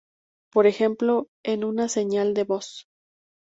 Por ejemplo en una señal de voz.